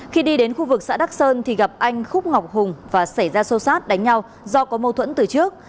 khi đi đến khu vực xã đắc sơn thì gặp anh khúc ngọc hùng và xảy ra sô sát đánh nhau do có mâu thuẫn từ trước